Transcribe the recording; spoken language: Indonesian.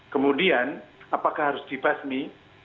kemudian apakah harus dibasmi